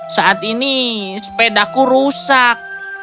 saat ini sepedaku rusak